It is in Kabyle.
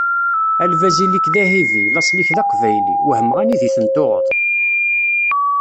A lbaz ili-k d ihibi, laṣel-ik d aqbayli wehmeɣ anida i ten-tuɣeḍ?